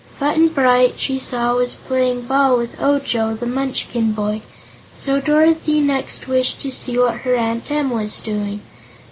Button Bright, she saw, was playing ball with Ojo, the Munchkin boy, so Dorothy next wished to see what her Aunt Em was doing.